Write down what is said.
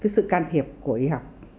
sự can thiệp của y học